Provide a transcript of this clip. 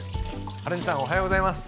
はるみさんおはようございます。